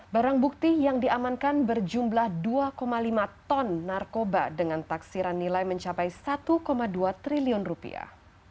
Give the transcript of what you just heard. barang bukti yang diamankan berjumlah dua lima ton narkoba dengan taksiran nilai mencapai satu dua triliun rupiah